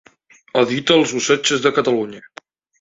Edità els Usatges de Catalunya.